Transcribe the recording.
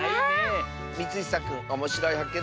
みつひさくんおもしろいはっけん